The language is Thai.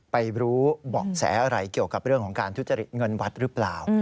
รู้เบาะแสอะไรเกี่ยวกับเรื่องของการทุจริตเงินวัดหรือเปล่า